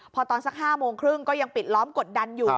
พอตอนสัก๕โมงครึ่งก็ยังปิดล้อมกดดันอยู่